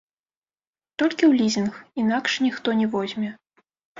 Толькі ў лізінг, інакш ніхто не возьме.